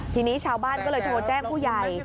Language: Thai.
ทีนี้ชาวบ้านก็เลยโทรแจ้งผู้ใหญ่